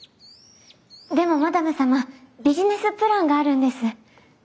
でもマダム様ビジネスプランがあるんです。